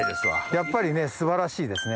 やっぱりね素晴らしいですね。